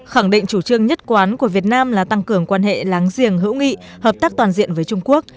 khẳng định chủ trương nhất quán của việt nam là tăng cường quan hệ láng giềng hữu nghị hợp tác toàn diện với trung quốc